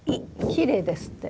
きれいですって。